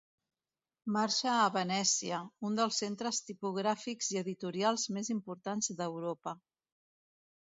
Marxa a Venècia, un dels centres tipogràfics i editorials més importants d'Europa.